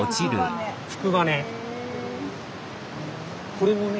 これもね